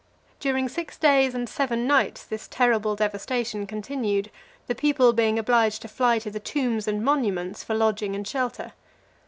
During six days and seven nights this terrible devastation continued, the people being obliged to fly to the tombs and monuments for lodging and shelter.